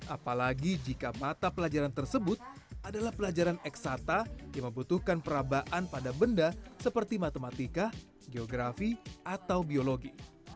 apalagi jika mata pelajaran tersebut adalah pelajaran eksata yang membutuhkan perabaan pada benda seperti matematika geografi atau biologi